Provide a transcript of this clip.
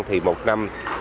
thì một năm